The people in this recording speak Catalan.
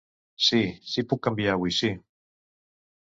Si, si puc canviar avui si.